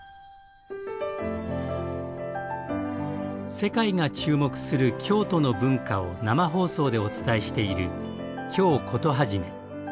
世界が注目する京都の文化を生放送でお伝えしている「京コトはじめ」。